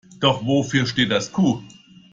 Doch wofür steht das Q?